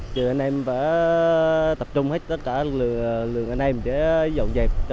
chưa anh em phải tập trung hết tất cả lường anh em để dọn dẹp